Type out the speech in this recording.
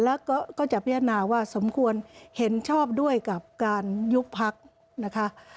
แล้วก็ก็จะพิจารณาว่าสมควรเห็นชอบด้วยกับการยุบพักนะคะ